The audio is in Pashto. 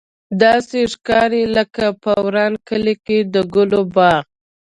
داسې ښکاري لکه په وران کلي کې د ګلو باغ.